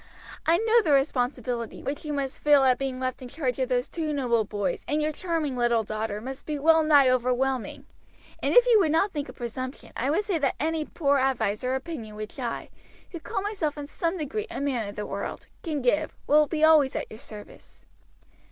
I know the responsibility which you must feel at being left in charge of those two noble boys and your charming little daughter must be well nigh overwhelming, and if you would not think it presumption I would say that any poor advice or opinion which I, who call myself in some degree a man of the world, can give, will be always at your service."